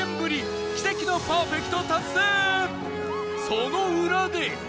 その裏で